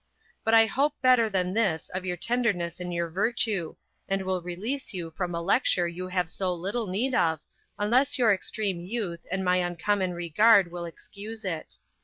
But I hope better than this of your tenderness and of your virtue, and will release you from a lecture you have so little need of, unless your extreme youth and my uncommon regard will excuse it.